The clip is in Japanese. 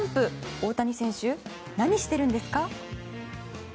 大谷選手、何してるんですか？